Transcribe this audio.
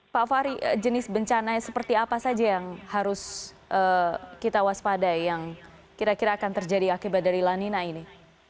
pak fahri jenis bencana seperti apa saja yang harus kita waspadai yang kira kira akan terjadi akibat dari lanina ini